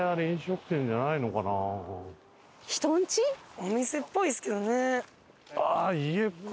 お店っぽいですけどね。